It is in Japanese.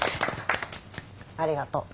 ありがとう。